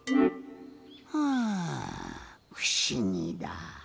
はぁふしぎだ。